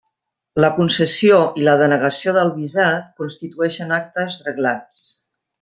La concessió i la denegació del visat constitueixen actes reglats.